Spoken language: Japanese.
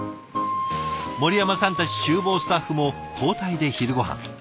森山さんたちちゅう房スタッフも交代で昼ごはん。